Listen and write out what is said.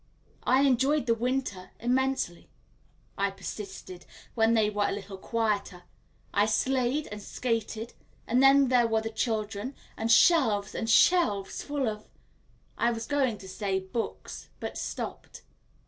"I enjoyed the winter immensely," I persisted when they were a little quieter; "I sleighed and skated, and then there were the children, and shelves and shelves full of " I was going to say books, but stopped.